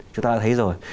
chúng ta đã thấy rồi